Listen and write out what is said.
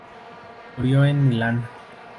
Murió en Milán.